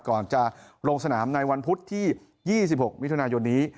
ก่อนจะลงสนามในวันพุธที่๒๖มิถุนายนนี้